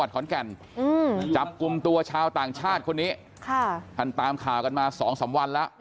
ขอนแก่นอืมจับกลุ่มตัวชาวต่างชาติคนนี้ค่ะท่านตามข่าวกันมาสองสามวันแล้ว